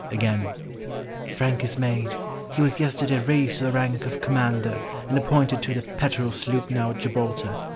Again, "Frank is made. He was yesterday raised to the rank of Commander, and appointed to the Petterel sloop now at Gibraltar....